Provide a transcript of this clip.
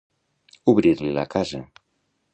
Obrir-li la casa.